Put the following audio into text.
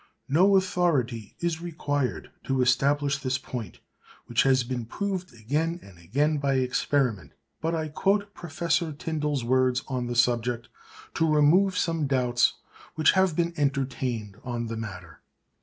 No authority is required to establish this point, which has been proved again and again by experiment; but I quote Professor Tyndall's words on the subject to remove some doubts which have been entertained on the matter.